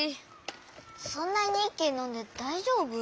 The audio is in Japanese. そんなにいっきにのんでだいじょうぶ？